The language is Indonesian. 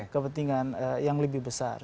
kepentingan yang lebih besar